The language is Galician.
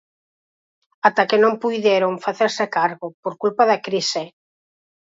Ata que non puideron facerse cargo, por culpa da crise.